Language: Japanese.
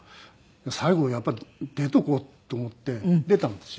最後やっぱ出とこうと思って出たんですよ。